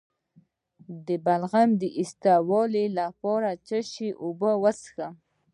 د بلغم د ایستلو لپاره د څه شي اوبه وڅښم؟